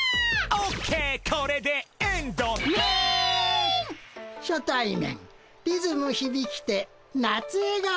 「オッケーこれでエンド」「メーン」「初対面リズムひびきて夏えがお」。